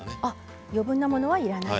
余分なものはいらない。